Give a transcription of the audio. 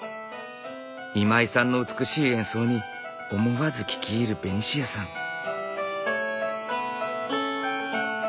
今井さんの美しい演奏に思わず聴き入るベニシアさん。